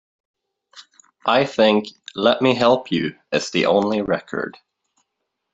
I think "Let Me Help You" is the only record.